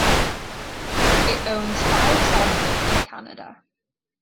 It owns five sawmills in Canada.